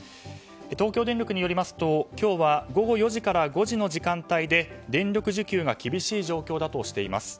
東京電力によりますと今日は午後４時から５時までの時間で電力需給が厳しい状況だとしています。